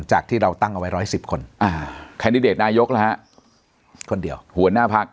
จากที่เราตั้งเอาไว้๑๑๐คนแคนดิเดตนายกนะฮะคนเดียวหัวหน้าพัก